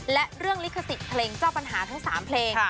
และเรื่องลิขสิทธิ์เพลงเจ้าปัญหาทั้ง๓เพลง